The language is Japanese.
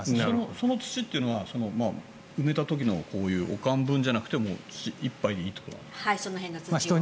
その土は埋めた時のおかん分じゃなくて１杯でいいということですか？